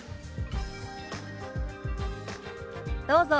どうぞ。